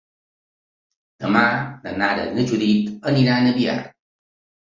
Demà na Nara i na Judit aniran a Biar.